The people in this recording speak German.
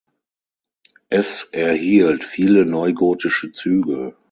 Es erhielt viele neugotische Züge.